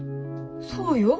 そうよ。